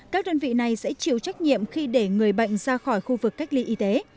các đơn vị này sẽ chịu trách nhiệm khi để người bệnh ra khỏi khu vực cách ly y tế